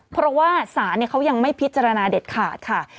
เพราะว่าศาลเขายังไม่พิจารณาเด็ดขาดค่ะ